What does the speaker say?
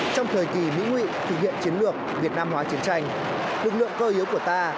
trong thời kỳ mỹ nguy thực hiện chiến lược việt nam hóa chiến tranh lực lượng cơ yếu của ta